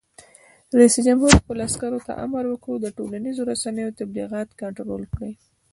رئیس جمهور خپلو عسکرو ته امر وکړ؛ د ټولنیزو رسنیو تبلیغات کنټرول کړئ!